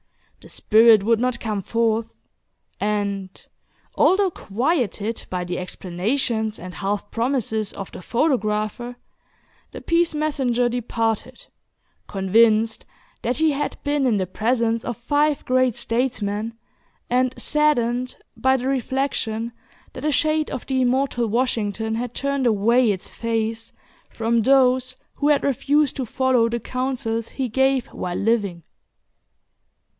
The spirit would not come forth; and, although quieted by the explanations and half promises of the photographer, the peace messenger departed, convinced that he had been in the presence of five great statesmen, and saddened by the reflection that the shade of the immortal Washington had turned away its face from those who had refused to follow the counsels he gave while living.